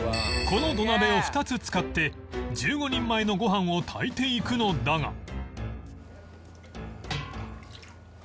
この土鍋を２つ使って１５人前のご飯を炊いていくのだが